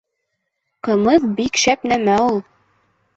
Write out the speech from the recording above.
— Ҡымыҙ бик шәп нәмә ул.